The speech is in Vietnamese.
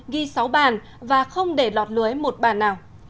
ghi sáu bàn và không để lọt lưới một bàn nào